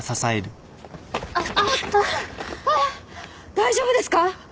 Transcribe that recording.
大丈夫ですか！？